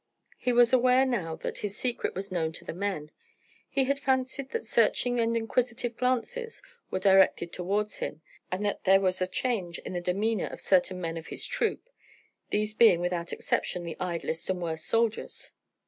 He was aware now that his secret was known to the men. He had fancied that searching and inquisitive glances were directed towards him, and that there was a change in the demeanour of certain men of his troop, these being without exception the idlest and worst soldiers.